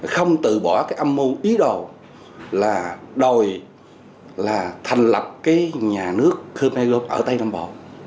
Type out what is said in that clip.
không từ bỏ âm mưu ý đồ là đòi thành lập nhà nước khô nê gom ở tây nam bộ